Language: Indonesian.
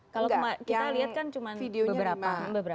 kalau kita lihat kan cuma beberapa